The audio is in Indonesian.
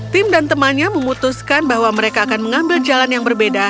tim dan temannya memutuskan bahwa mereka akan mengambil jalan yang berbeda